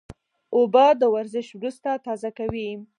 اوبه د ورزش وروسته تازه کوي